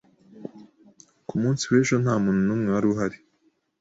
Ku munsi w'ejo nta muntu n'umwe wari uhari.